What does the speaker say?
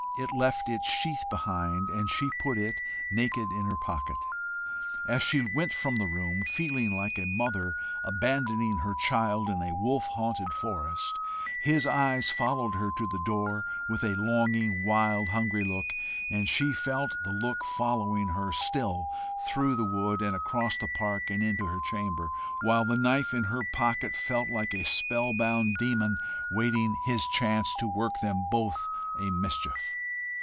It left its sheath behind it, and she put it naked in her pocket. As she went from the room, feeling like a mother abandoning her child in a wolf haunted forest, his eyes followed her to the door with a longing, wild, hungry look, and she felt the look following her still through the wood and across the park and into her chamber, while the knife in her pocket felt like a spellbound demon waiting his chance to work them both a mischief.